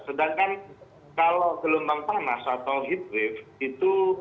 sedangkan kalau gelombang panas atau heat wave itu